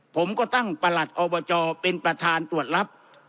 ผมก็ตั้งประหลัดอบจเป็นประธานตรวจรับ